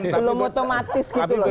belum otomatis gitu loh